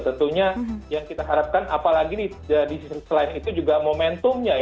tentunya yang kita harapkan apalagi di sisi selain itu juga momentumnya